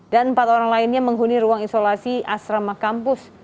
dan empat orang lainnya menghuni ruang isolasi asrama kampus